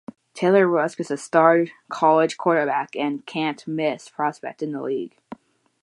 Taylor Rusk is a star college quarterback and a can't-miss prospect in The League.